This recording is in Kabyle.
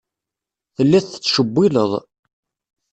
Telliḍ tettcewwileḍ.